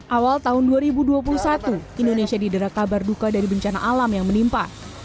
awal tahun dua ribu dua puluh satu indonesia didera kabar duka dari bencana alam yang menimpa